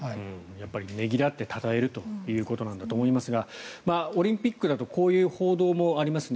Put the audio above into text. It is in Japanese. ねぎらって、たたえるということだと思いますがオリンピックだとこういう報道もありますね。